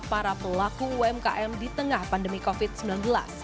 para pelaku umkm di tengah pandemi covid sembilan belas